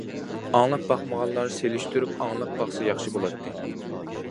ئاڭلاپ باقمىغانلار سېلىشتۇرۇپ ئاڭلاپ باقسا ياخشى بولاتتى.